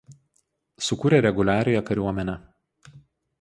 Sukūrė reguliariąją kariuomenę.